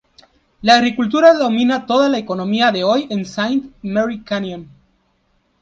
La agricultura domina toda la economía de hoy en Saint Mary Canyon.